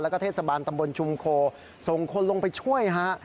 แล้วก็เทศบาลตำบลชุมโคส่งคนลงไปช่วยฮะ